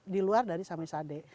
di luar dari samisade